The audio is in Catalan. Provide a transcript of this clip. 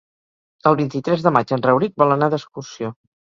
El vint-i-tres de maig en Rauric vol anar d'excursió.